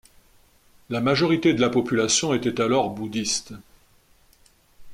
La majorité de la population était alors bouddhiste.